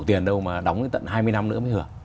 tiền đâu mà đóng đến tận hai mươi năm nữa mới hưởng